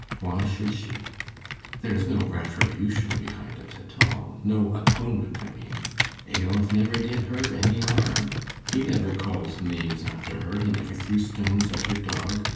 Why should she? There is no retribution behind it all no atonement, I mean. Eyolf never did her any harm. He never called names after her; he never threw stones at her dog.